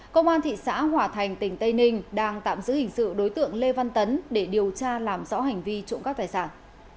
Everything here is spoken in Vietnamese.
công an thị xã hòa thành tỉnh tây ninh đang tạm giữ hình sự đối tượng lê văn tấn để điều tra làm rõ hành vi trộm các tài sản